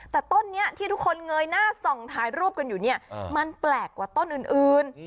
แต่ต้นนี้ที่ทุกคนเงยหน้าส่องถ่ายรูปกันอยู่เนี่ยมันแปลกกว่าต้นอื่น